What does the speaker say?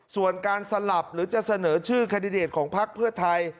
ส่วนการสลับหรือจะเสนอชื่อแคนดิเดตของพักเพื่อไทย